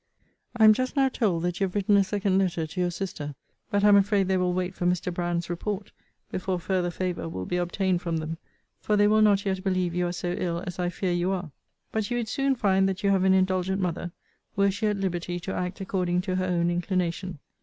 I am just now told that you have written a second letter to your sister: but am afraid they will wait for Mr. Brand's report, before farther favour will be obtained from them; for they will not yet believe you are so ill as I fear you are. But you would soon find that you have an indulgent mother, were she at liberty to act according to her own inclination.